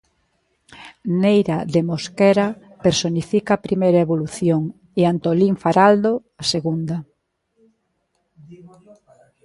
Neira de Mosquera personifica a primeira evolución e Antolín Faraldo a segunda.